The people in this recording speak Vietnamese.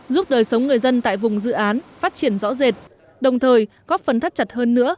giúp đời sống người dân tại vùng dự án phát triển rõ rệt đồng thời góp phần thắt chặt hơn nữa